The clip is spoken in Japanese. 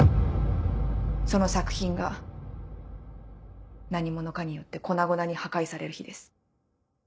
その作品が何者かによって粉々に破壊される日です。